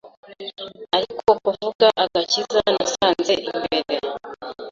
Ariko kuvuga agakiza nasanze imbere